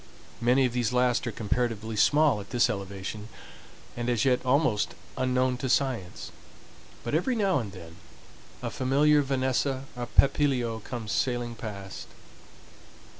Many of these last are comparatively small at this elevation, and as yet almost unknown to science; but every now and then a familiar vanessa or papilio comes sailing past.